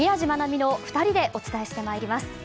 海の２人でお伝えして参ります。